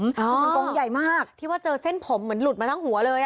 มันกงใหญ่มากที่ว่าเจอเส้นผมเหมือนหลุดมาทั้งหัวเลย